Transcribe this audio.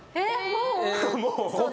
もう？